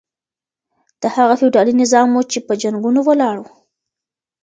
دا هغه فيوډالي نظام و چي په جنګونو ولاړ و.